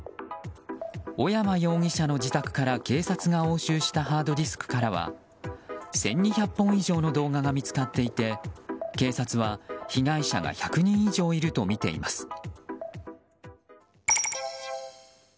小山容疑者の自宅から警察が押収したハードディスクからは１２００本以上の動画が見つかっていて警察は被害者が１００人以上いるとみています。